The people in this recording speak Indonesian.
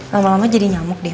lama lama jadi nyamuk deh